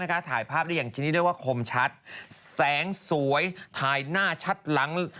นะคะถ่ายภาพดีอย่างทีนี้เรียกว่าคมชัดแสงสวยถ่ายหน้าชัดหลัง